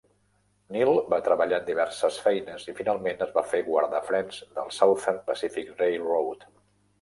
Neal va treballar en diverses feines i finalment es va fer guardafrens del Southern Pacific Railroad.